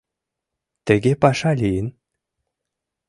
Тыге паша лийын?